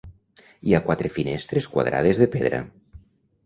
Hi ha quatre finestres quadrades de pedra.